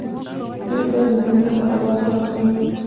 دوی باید له ځمکو څخه لاس واخلي.